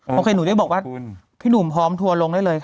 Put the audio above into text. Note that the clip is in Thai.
โอเคหนูได้บอกว่าพี่หนุ่มพร้อมทัวร์ลงได้เลย